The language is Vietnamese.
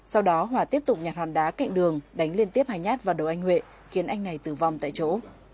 sau đó hòa tiếp tục nhạt hòn đá cạnh đường đánh liên tiếp hai nhát vào đầu anh huệ khiến anh này tử vong tại chỗ